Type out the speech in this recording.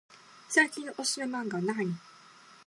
最近のおすすめマンガはなに？